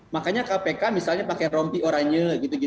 makanya kpk misalnya pakai rompi orangnya gitu gitu